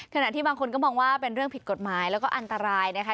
ขณะที่บางคนก็มองว่าเป็นเรื่องผิดกฎหมายแล้วก็อันตรายนะคะ